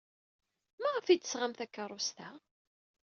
Maɣef ay d-tesɣam takeṛṛust-a?